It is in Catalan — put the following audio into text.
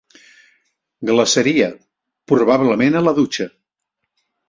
Glaçaria, probablement a la dutxa.